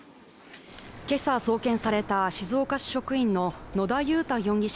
今朝送検された静岡市職員の野田雄太容疑者